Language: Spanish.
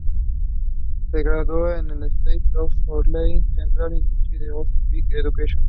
Se graduó de la State Order of Lenin Central Institute of Physical Education.